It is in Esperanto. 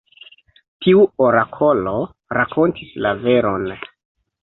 Tiu orakolo rakontis la veron.